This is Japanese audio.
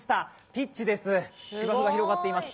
ピッチです、天然芝が広がっています。